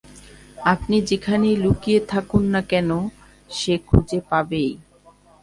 আপনি যেখানেই লুকিয়ে থাকুন না কেন, সে খুঁজে পাবেই।